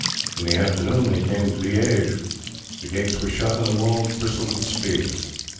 In the afternoon they came to Liege. The gates were shut, and the walls bristled with spears.